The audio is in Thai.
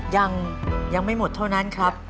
ยังไม่หมดเท่านั้นครับ